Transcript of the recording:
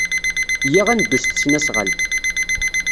Iyya ad neddu s tesnasɣalt.